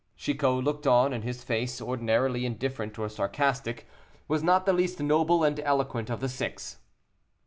Chicot looked on, and his face, ordinarily indifferent or sarcastic, was not the least noble and eloquent of the six.